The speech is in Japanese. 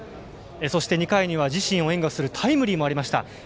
そして、２回には自身を援護するタイムリーもありました。